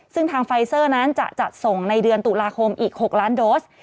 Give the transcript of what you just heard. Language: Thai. ซึ่งทางไฟเซอร์นั้นจะจัดส่งในเดือนตุลาคมอีก๖ล้านโดส